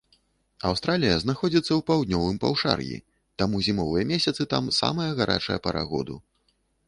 Аўстралія знаходзіцца ў паўднёвым паўшар'і, таму зімовыя месяцы там самая гарачая пара году.